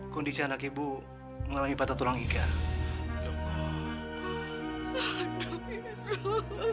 kondisi anak ibu mengalami patah tulang ikan